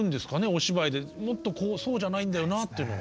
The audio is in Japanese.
お芝居でもっとこうそうじゃないんだよなっていうのは。